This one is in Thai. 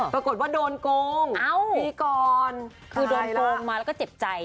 ปรากฏว่าโดนโกงปีก่อนคือโดนโกงมาแล้วก็เจ็บใจ